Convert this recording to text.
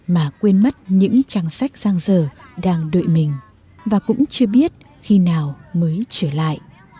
mà quên mất những trang sách giang dở đang đợi mình và cũng chưa biết khi nào mới trở lại